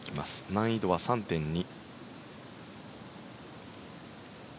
難易度は３．２。